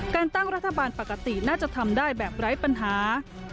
การตั้งรัฐบาลปกติน่าจะทำได้แบบไร้ปัญหา